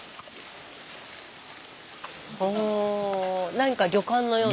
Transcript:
なんか旅館のような。